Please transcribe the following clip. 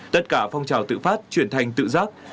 tất cả phong trào tự phát chuyển thành tự giác